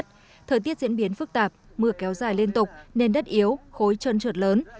thời tiết diễn biến phức tạp mưa kéo dài liên tục nên đất yếu khối chân trượt lớn